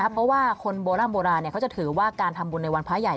เพราะว่าคนโบร่ำโบราณเขาจะถือว่าการทำบุญในวันพระใหญ่